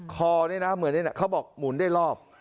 คอนี่นะเหมือนนี่เขาบอกหมุนได้รอบ